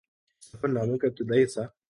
سفر نامے کا ابتدائی حصہ